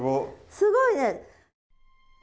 すごいね。